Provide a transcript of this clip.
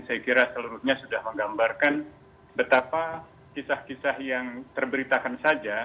saya kira seluruhnya sudah menggambarkan betapa kisah kisah yang terberitakan saja